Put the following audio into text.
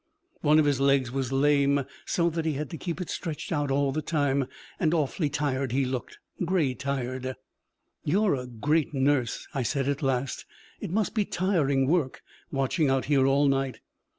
One of his legs was lame, so that he had to keep it stretched out all the time; and awfully tired he looked, gray tired. 'You're a great nurse!' I said at last. 'It must be tiring work, watching out here all night.'